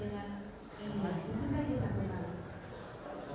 masih mau berangkat